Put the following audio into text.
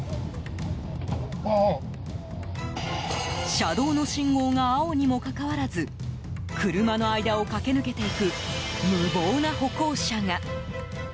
車道の信号が青にもかかわらず車の間を駆け抜けていく無謀な歩行者が。